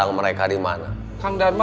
gak ada yang kabur